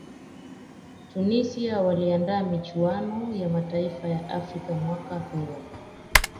tunisia waliandaa michuano ya mataifa ya afrika mwaka huo